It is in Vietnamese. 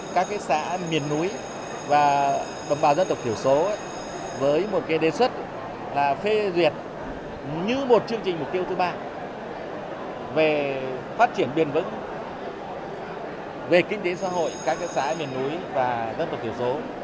các xã miền núi và đồng bào dân tộc thiểu số với một đề xuất là phê duyệt như một chương trình mục tiêu thứ ba về phát triển bền vững về kinh tế xã hội các xã miền núi và dân tộc thiểu số